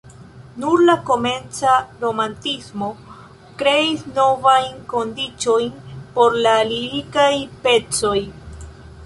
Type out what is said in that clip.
Nur la komenca romantismo kreis novajn kondiĉojn por la lirikaj pecoj.